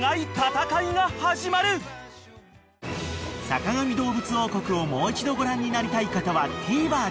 ［『坂上どうぶつ王国』をもう一度ご覧になりたい方はＴＶｅｒで］